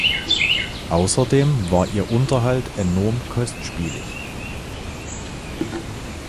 Außerdem war ihr Unterhalt enorm kostspielig.